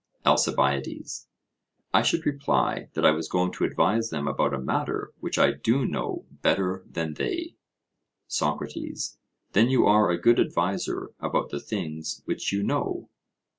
ALCIBIADES: I should reply, that I was going to advise them about a matter which I do know better than they. SOCRATES: Then you are a good adviser about the things which you know?